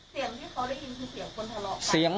เสียงที่เขาได้ยินคือเสียงคนทะเลาะค่ะ